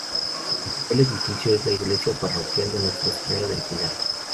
Su principal edificio es la iglesia parroquial de Nuestra Señora del Pilar.